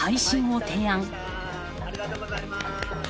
ありがとうございます。